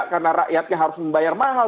karena rakyatnya harus membayar mahal